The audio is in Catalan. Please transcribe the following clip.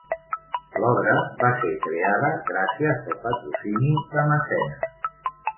L'obra va ser creada gràcies al patrocini de Mecenes.